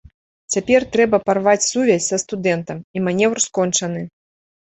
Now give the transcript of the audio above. Цяпер трэба парваць сувязь са студэнтам, і манеўр скончаны.